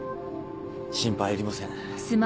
心配いりません。